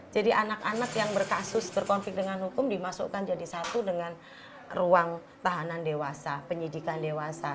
jadi anak anak yang berkasus berkonflik dengan hukum dimasukkan jadi satu dengan ruang tahanan dewasa penyidikan dewasa